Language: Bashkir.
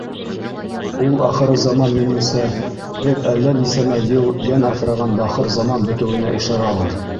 Ул ахырызаман, минеңсә, беҙ әллә нисәмә йыл йән аҫраған бахыр заман бөтөүенә ишаралыр.